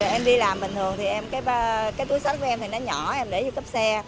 em đi làm bình thường thì cái túi sách của em thì nó nhỏ em để vô cấp xe